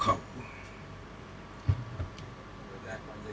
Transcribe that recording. เขาก็เอาไข่กระเป๋าอุ๊ก